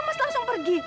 mas langsung pergi